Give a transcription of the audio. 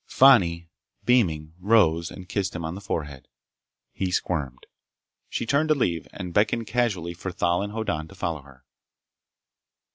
Fani, beaming, rose and kissed him on the forehead. He squirmed. She turned to leave, and beckoned casually for Thal and Hoddan to follow her.